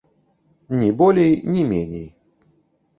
Ні болей ні меней!